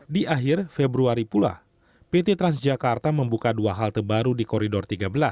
di akhir februari pula pt transjakarta membuka dua halte baru di koridor tiga belas